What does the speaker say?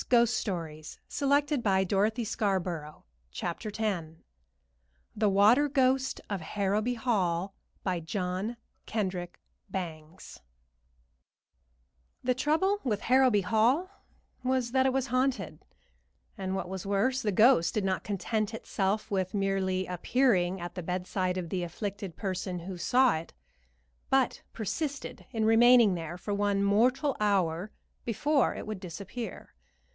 By permission of the publishers and John Kendrick Bangs. The Water Ghost of Harrowby Hall BY JOHN KENDRICK BANGS The trouble with Harrowby Hall was that it was haunted, and, what was worse, the ghost did not content itself with merely appearing at the bedside of the afflicted person who saw it, but persisted in remaining there for one mortal hour before it would disappear.